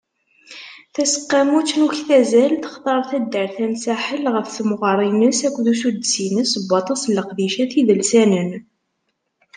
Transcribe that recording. Taseqqamut n uktazal textar taddart-a n Saḥel ɣef temɣer-ines akked usuddes-ines n waṭas n leqdicat idelsanen.